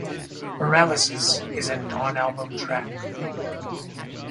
"Paralysis" is a non-album track.